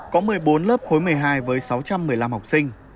có một mươi bốn lớp khối một mươi hai với sáu trăm một mươi năm học sinh